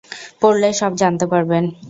পড়লে সব জানতে পারবেন।